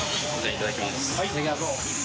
いただきます。